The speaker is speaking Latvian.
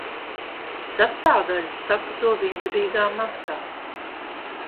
Sastāvdaļas saputo viendabīgā masā.